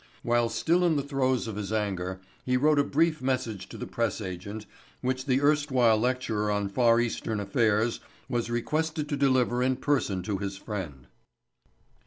While still in the throes of his anger he wrote a brief message to the press agent which the erstwhile lecturer on far eastern affairs was requested to deliver in person to his friend.